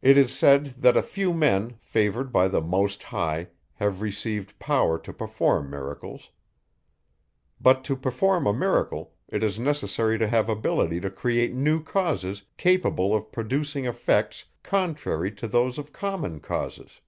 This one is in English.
It is said, that a few men, favoured by the Most High, have received power to perform miracles. But to perform a miracle, it is necessary to have ability to create new causes capable of producing effects contrary to those of common causes.